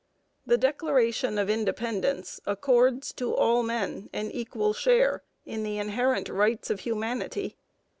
The Declaration of Independence accords to all men an equal share in the inherent rights of humanity.